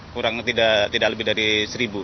kurang tidak lebih dari seribu